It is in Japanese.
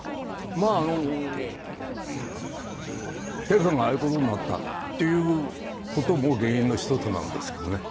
まああの輝さんがああいう事になったっていう事も原因の一つなんですけどね。